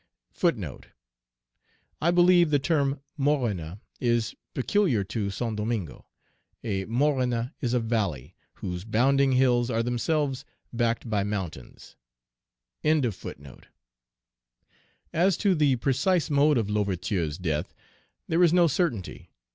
* I believe the term "Morne" is peculiar to Saint Domingo. A morne is a valley, whose bounding hills are themselves backed by mountains. As to the precise mode of L'Ouverture's death, there is no certainty.